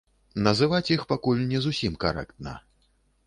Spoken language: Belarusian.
Называць іх пакуль не зусім карэктна.